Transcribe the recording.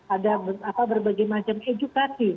ada berbagai macam edukasi